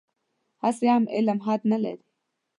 هغسې چې علم حد نه لري.